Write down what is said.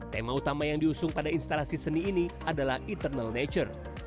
tema utama yang diusung pada instalasi seni ini adalah internal nature